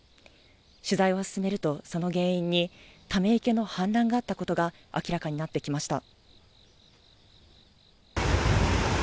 取材を進めると、その原因にため池の氾濫があったことが明らかになってきました。